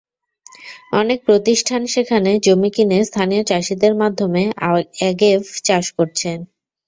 অনেক প্রতিষ্ঠান সেখানে জমি কিনে স্থানীয় চাষিদের মাধ্যমে অ্যাগেভ চাষ করছেন।